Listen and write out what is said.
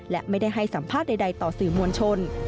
และไม่ได้ให้สัมภาษณ์ใดต่อสื่อมวลชน